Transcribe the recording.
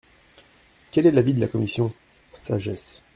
Quel est l’avis de la commission ? Sagesse.